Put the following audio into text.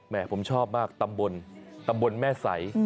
ผมชอบมากตำบลตำบลแม่ใส